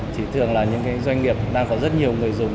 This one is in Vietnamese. chỉ thường là những doanh nghiệp đang có rất nhiều người dùng